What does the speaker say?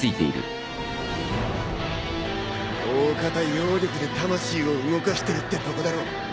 おおかた妖力で魂を動かしてるってとこだろう。